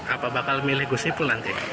apa bakal milih gus ipul nanti